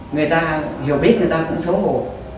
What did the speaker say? người ta hiểu biết người ta cũng xấu hổ